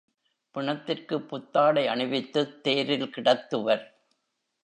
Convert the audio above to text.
பிணத்திற்குப் புத்தாடை அணிவித்துத் தேரில் கிடத்துவர்.